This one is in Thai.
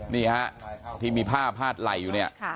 นี่ฮะที่มีผ้าผ้าไล่อยู่เนี่ยค่ะ